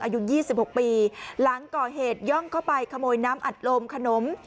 อายุ๒๖ปีหลังก่อเหตุย่องเข้าไปขโมยน้ำอัดลมขนม